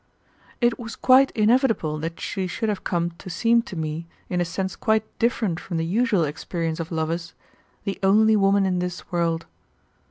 It was quite inevitable that she should have come to seem to me, in a sense quite different from the usual experience of lovers, the only woman in this world.